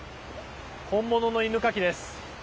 本物の犬かきです。